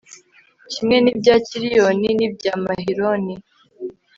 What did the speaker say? kimwe n'ibya kiliyoni, n'ibya mahiloni